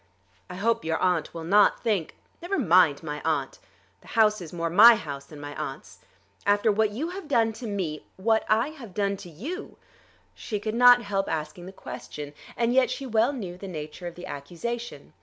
"I hope your aunt will not think " "Never mind my aunt. The house is more my house than my aunt's. After what you have done to me " "What have I done to you?" She could not help asking the question, and yet she well knew the nature of the accusation.